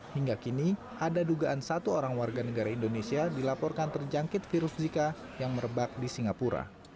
hingga kini ada dugaan satu orang warga negara indonesia dilaporkan terjangkit virus zika yang merebak di singapura